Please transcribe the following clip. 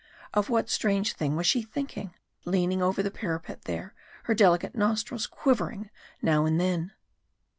Of what strange thing was she thinking? leaning over the parapet there, her delicate nostrils quivering now and then.